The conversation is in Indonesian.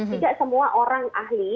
tidak semua orang ahli